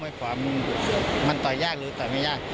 ความมันต่อยยากหรือต่อยไม่ยาก